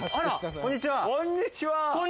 こんにちは。